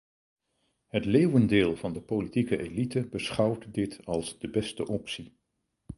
Het leeuwendeel van de politieke elite beschouwt dit als de beste optie.